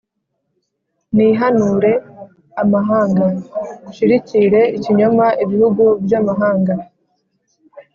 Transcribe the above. nihanure amahanga: nshirikire ikinyoma ibihugu by’amahanga